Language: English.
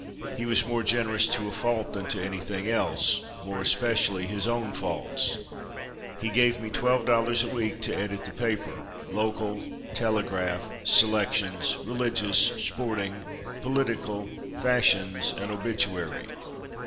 He was more generous to a fault than to anything else more especially his own faults. He gave me twelve dollars a week to edit the paper local, telegraph, selections, religious, sporting, political, fashions, and obituary.